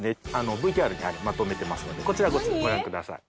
ＶＴＲにまとめてますのでこちらご覧ください。